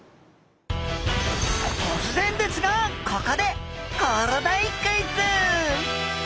突然ですがここでコロダイクイズ！